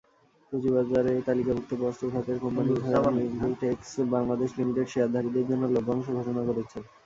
পুঁজিবাজারে তালিকাভুক্ত বস্ত্র খাতের কোম্পানি ফ্যামিলিটেক্স বাংলাদেশ লিমিটেড শেয়ারধারীদের জন্য লভ্যাংশ ঘোষণা করেছে।